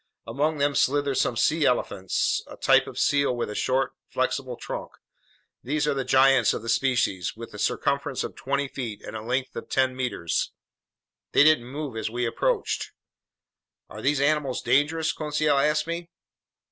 Among them slithered some sea elephants, a type of seal with a short, flexible trunk; these are the giants of the species, with a circumference of twenty feet and a length of ten meters. They didn't move as we approached. "Are these animals dangerous?" Conseil asked me.